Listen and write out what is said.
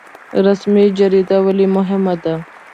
رسمي جریده ولې مهمه ده؟